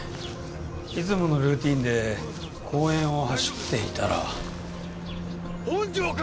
いつものルーティンで公園を走っていたら本条君！